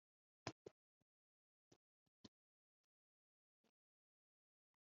yabyawe n andi amashami n ibiro